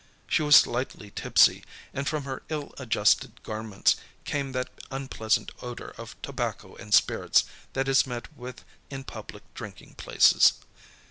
She was slightly tipsy, and from her ill adjusted garments, came that unpleasant odour of tobacco and spirits that is met with in public drinking places.